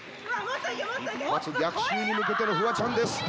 一発逆襲に向けてのフワちゃんです。